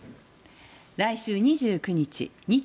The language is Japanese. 来週２９日